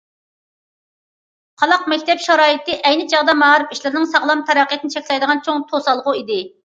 قالاق مەكتەپ شارائىتى ئەينى چاغدا مائارىپ ئىشلىرىنىڭ ساغلام تەرەققىياتىنى چەكلەيدىغان چوڭ توسالغۇ ئىدى.